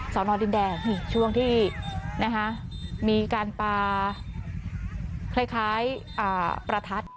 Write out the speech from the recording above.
สอนอดินแดงนี่ช่วงที่มีการปลาคล้ายประทัด